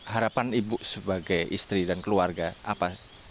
harapan ibu sebagai istri dan keluarga apa